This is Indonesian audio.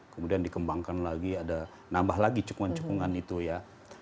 kemudian dikembangkan lagi ada nambah lagi cekungan cekungan itu ya